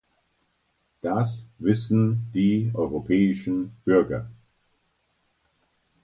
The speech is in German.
Das wissen die europäischen Bürger.